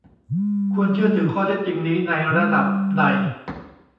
ควรเชื่อถือข้อเท็จจริงนี้ในระดับใด